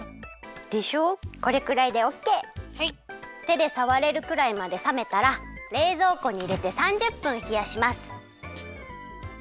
てでさわれるくらいまでさめたられいぞうこにいれて３０分ひやします。